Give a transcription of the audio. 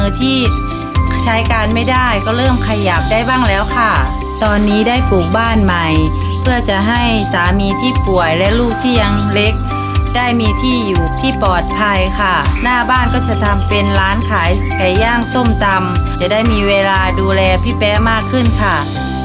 ที่ใช้การไม่ได้ก็เริ่มขยับได้บ้างแล้วค่ะตอนนี้ได้ปลูกบ้านใหม่เพื่อจะให้สามีที่ป่วยและลูกที่ยังเล็กได้มีที่อยู่ที่ปลอดภัยค่ะหน้าบ้านก็จะทำเป็นร้านขายไก่ย่างส้มตำจะได้มีเวลาดูแลพี่แป๊มากขึ้นค่ะ